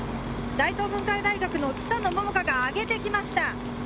大東文化大学の蔦野萌々香が上げてきました。